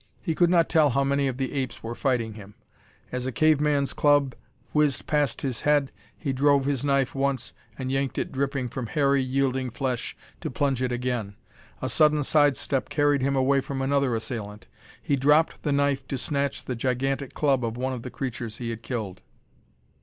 He could not tell how many of the apes were fighting him. As a cave man's club whizzed past his head, he drove his knife once, and yanked it dripping from hairy, yielding flesh to plunge it again. A sudden side step carried him away from another assailant. He dropped the knife to snatch the gigantic club of one of the creatures he had killed.